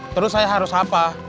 terus saya harus apa